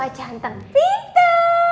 ya di situ aja hanteng pintu